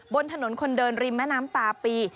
บนถนนคนเดินริมแม่น้ำตาปี